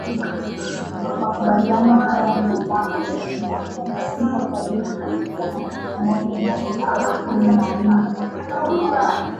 Makubaliano haya ni ya mwaka elfu moja mia tisa sabini na tisa na elfu moja mia tisa tisini na nne